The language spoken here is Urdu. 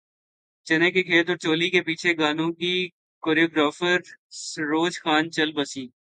چنے کے کھیت اور چولی کے پیچھے گانوں کی کوریوگرافر سروج خان چل بسیں